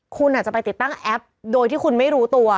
คุณอาจจะไปติดตั้งแอปโดยที่คุณไม่รู้ตัว